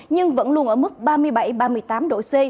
nhưng vẫn luôn ở mức ba mươi bảy ba mươi tám độ c